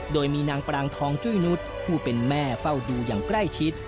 โดยมีนางปรางทองจุ้ยนุษย์ผู้เป็นแม่เฝ้าดูอย่างใกล้ชิด